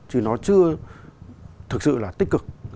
chứ nó chưa thực sự là tích cực